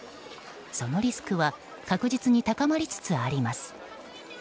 そのリスクは確実に高まりつつあります。